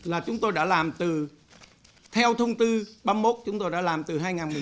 là chúng tôi đã làm theo thông tư ba mươi một chúng tôi đã làm từ hai nghìn một mươi tám